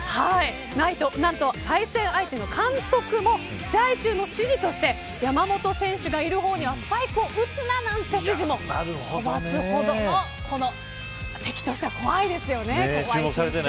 何と、対戦相手の監督も試合中の指示として山本選手がいる方にはスパイクを打つななんて指示もとばすほどの敵としては怖いですよね。